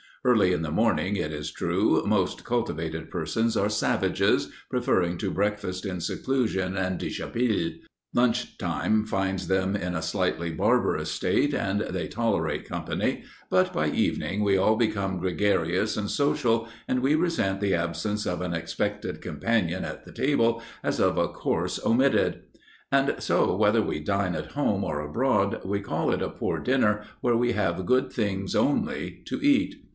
Early in the morning, it is true, most cultivated persons are savages, preferring to breakfast in seclusion and dishabille; lunch time finds them in a slightly barbarous state, and they tolerate company; but by evening we all become gregarious and social, and we resent the absence of an expected companion at the table as of a course omitted. And so, whether we dine at home or abroad we call it a poor dinner where we have good things only to eat.